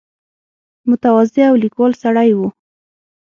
متواضع او کلیوال سړی وو.